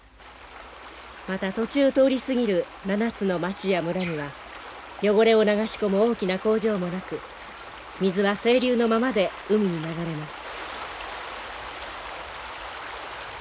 また途中通り過ぎる７つの町や村には汚れを流し込む大きな工場もなく水は清流のままで海に流れます。